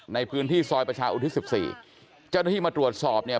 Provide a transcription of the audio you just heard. ในพื้นที่ซอยประชาอุทิศสิบสี่เจ้าหน้าที่มาตรวจสอบเนี่ย